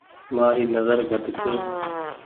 مآري نزر گھٽ ڇي۔